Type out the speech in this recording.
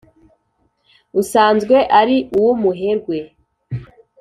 usanzwe ari uw’umuherwe